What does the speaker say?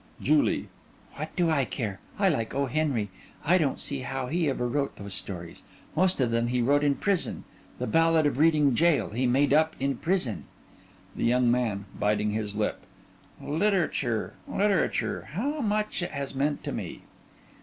JULIE: What do I care! I like O. Henry. I don't see how he ever wrote those stories. Most of them he wrote in prison. "The Ballad of Reading Gaol" he made up in prison. THE YOUNG MAN: (Biting his lip) Literature literature! How much it has meant to me!